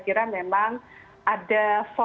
kira memang ada